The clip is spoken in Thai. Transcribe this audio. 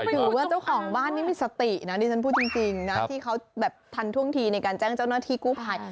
ถือว่าเจ้าของบ้านนี่มีสตินะดิฉันพูดจริงนะที่เขาแบบทันท่วงทีในการแจ้งเจ้าหน้าที่กู้ภัย